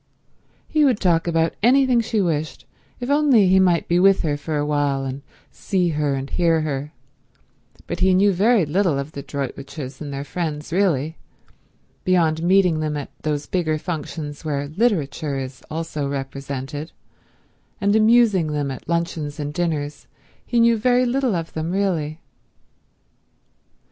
He would talk about anything she wished if only he might be with her for a while and see her and hear her, but he knew very little of the Droitwiches and their friends really—beyond meeting them at those bigger functions where literature is also represented, and amusing them at luncheons and dinners, he knew very little of them really.